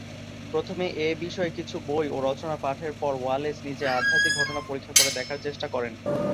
প্রথমে এ বিষয়ক কিছু বই ও রচনা পাঠের পর ওয়ালেস নিজে আধ্যাত্মিক ঘটনা পরীক্ষা করে দেখার চেষ্টা করেন।